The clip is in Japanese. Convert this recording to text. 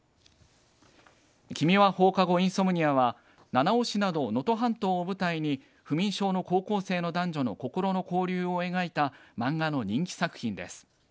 君は放課後インソムニアは七尾市など能登半島を舞台に不眠症の高校生の男女の心の交流を描いた漫画の人気作品です。